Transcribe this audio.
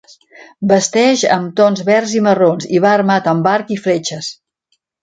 Vesteix amb tons verds i marrons, i va armat amb arc i fletxes.